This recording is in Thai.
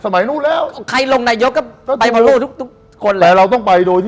เป็นแผนไง